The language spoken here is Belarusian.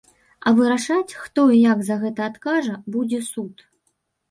А вырашаць, хто і як за гэта адкажа, будзе суд.